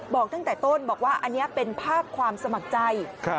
บอกตั้งแต่ต้นบอกว่าอันนี้เป็นภาพความสมัครใจ